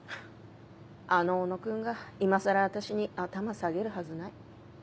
あの小野君が今更私に頭下げるはずない。